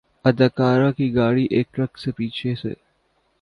اداکارہ کی گاڑی ایک ٹرک سے پیچھے سے